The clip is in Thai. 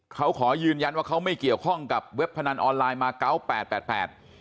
เขาขอยืนยันว่าเขาไม่เกี่ยวข้องกับเว็บพนันออนไลน์มาเก้าแปดแปดแปด